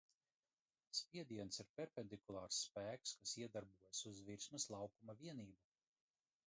Spiediens ir perpendikulārs spēks, kas iedarbojas uz virsmas laukuma vienību.